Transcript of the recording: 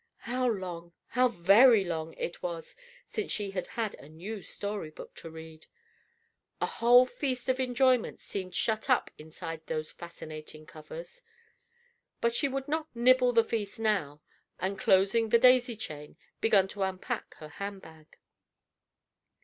How long, how very long it was since she had had a new story book to read. A whole feast of enjoyment seemed shut up inside those fascinating covers. But she would not nibble the feast now; and closing "The Daisy Chain," begun to unpack her handbag.